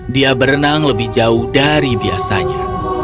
dia berenang lebih jauh dari biasanya